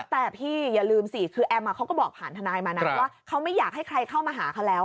แต่พี่อย่าลืมสิคือแอมเขาก็บอกผ่านทนายมานะว่าเขาไม่อยากให้ใครเข้ามาหาเขาแล้ว